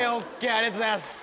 ありがとうございます。